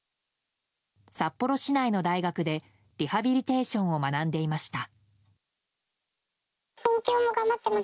札幌市内の大学でリハビリテーションを学んでいました。